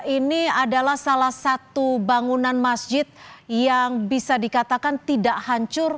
ini adalah salah satu bangunan masjid yang bisa dikatakan tidak hancur